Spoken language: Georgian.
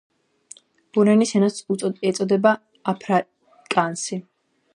ბურების ენას ეწოდება აფრიკაანსი.